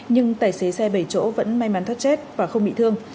nhưng tài xế xe bảy chỗ vẫn may mắn thoát chết và không bị thương